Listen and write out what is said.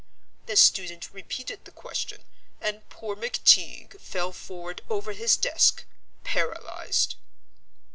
The student repeated the question, and poor McTeague fell forward over his desk, paralysed."